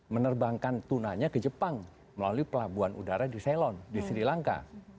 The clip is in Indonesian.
menerbangkan tunanya ke jepang melalui pelabuhan udara di selon di sri lanka